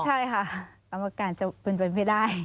ใช่ค่ะกรรมการจะเป็นไปไม่ได้